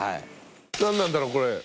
何なんだろこれ？